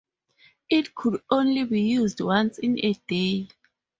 It could only be used once in a day.